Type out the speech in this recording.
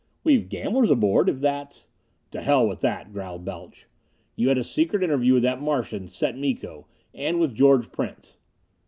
We've gamblers aboard, if that's " "To hell with that," growled Balch. "You had a secret interview with that Martian, Set Miko, and with George Prince!"